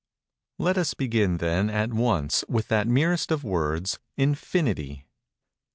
Let us begin, then, at once, with that merest of words, "Infinity."